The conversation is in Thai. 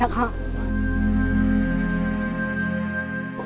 บางครั้งอดอดไปให้หลานกับแม่กินไปร้องเพลง